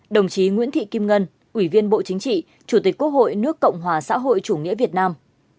đồng chí nguyễn thị kim ngân ủy viên bộ chính trị chủ tịch quốc hội nước cộng hòa xã hội chủ nghĩa việt nam